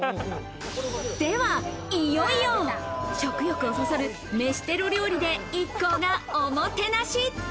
では、いよいよ食欲をそそる飯テロ料理でＩＫＫＯがおもてなし。